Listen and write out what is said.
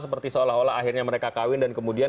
seperti seolah olah akhirnya mereka kawin dan kemudian